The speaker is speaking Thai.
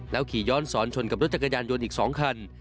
ขี่ย้อนสอนชนกับรถจักรยานยนต์อีก๒คัน